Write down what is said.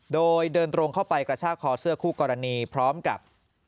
โดยเดินตรงเข้าไปกระชากคอเสื้อคู่กรณีพร้อมกับ